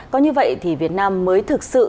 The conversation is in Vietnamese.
có như vậy thì việt nam mới thực sự